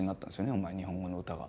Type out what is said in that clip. お前日本語の歌が。